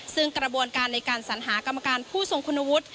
ซึ่งกระบวนการในการสัญหากรรมการผู้ทรงคุณวุฒิ